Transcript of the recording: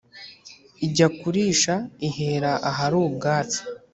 • ijya kurisha ihera ahari ubwatsi